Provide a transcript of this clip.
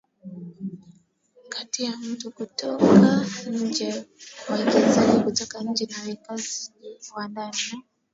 kati ya mtu kutoka nje mwekezaji kutoka nje na mwekezaji wa ndani